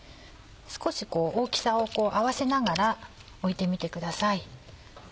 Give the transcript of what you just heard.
少しこう大きさを合わせながら置いてみてください。